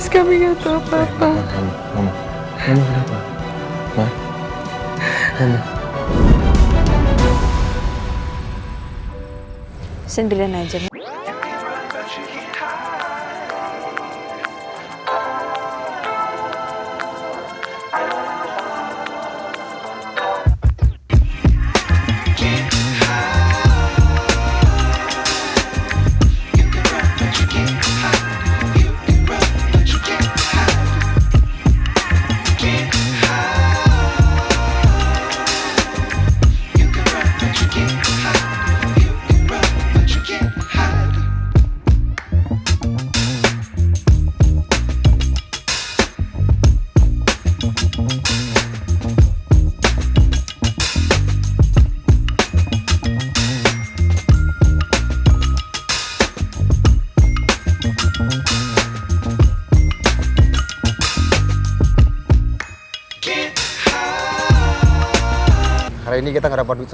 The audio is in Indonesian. kami gak tahu apa apa